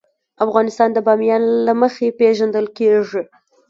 افغانستان د بامیان له مخې پېژندل کېږي.